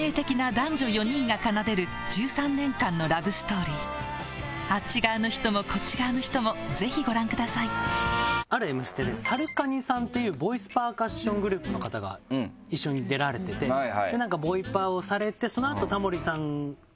男女４人が奏でる１３年間のラブストーリーあっち側の人もこっち側の人もぜひご覧くださいある『Ｍステ』でＳＡＲＵＫＡＮＩさんっていうボイスパーカッショングループの方が一緒に出られててなんかボイパをされて。